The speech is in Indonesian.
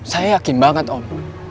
saya yakin banget om